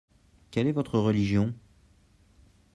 Quelle est votre religion ?